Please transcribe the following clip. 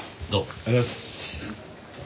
ありがとうございます。